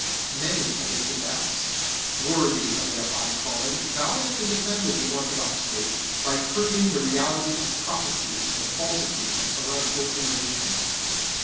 Many of its adepts, worthy of their high calling, valiantly defended the orthodox faith by proving the reality of prophecy and the falsity of heretical innovations.